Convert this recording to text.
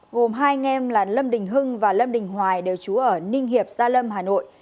gồm hai anh em là lâm đình hưng và lâm đình hoài đều trú ở ninh hiệp gia lâm hà nội